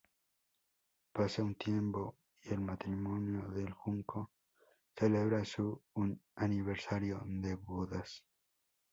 Pasa un tiempo y el matrimonio del Junco celebra su aniversario de bodas.